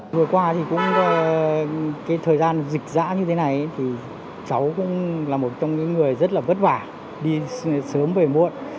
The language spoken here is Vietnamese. vừa qua thì cũng cái thời gian dịch giã như thế này thì cháu cũng là một trong những người rất là vất vả đi sớm về muộn